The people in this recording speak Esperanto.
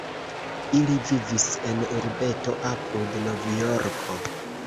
Ili vivis en urbeto apud Novjorko.